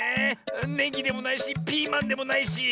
ネギでもないしピーマンでもないし。